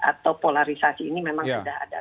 atau polarisasi ini memang sudah ada